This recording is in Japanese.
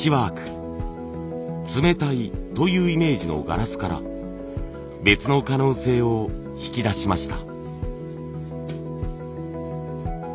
冷たいというイメージのガラスから別の可能性を引き出しました。